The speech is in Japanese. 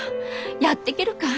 やっていけるかい？